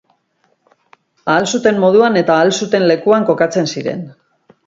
Ahal zuten moduan eta ahal zuten lekuan kokatzen ziren.